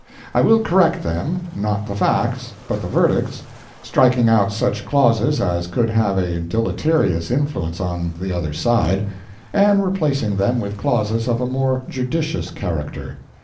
I will correct them not the Facts, but the Verdicts striking out such clauses as could have a deleterious influence on the Other Side, and replacing them with clauses of a more judicious character.